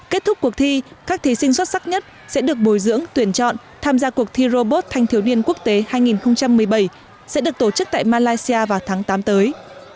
kết thúc cuộc thi các thí sinh xuất sắc nhất sẽ được bồi dưỡng tuyển chọn tham gia cuộc thi robot thanh thiếu niên quốc tế hai nghìn một mươi bảy sẽ được tổ chức tại malaysia vào tháng tám tới